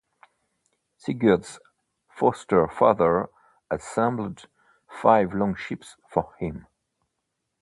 Sigurd's foster-father assembled five longships for him.